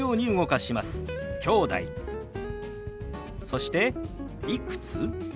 そして「いくつ？」。